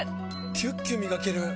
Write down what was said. キュッキュ磨ける！